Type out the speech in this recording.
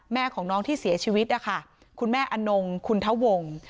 แม่ของน้องที่เสียชีวิตนะคะคุณแม่อนงคุณทะวง